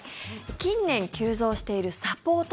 近年急増しているサポート